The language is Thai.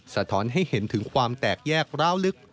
สะท้อนให้เห็นถึงความแตกแยกร้าวลึก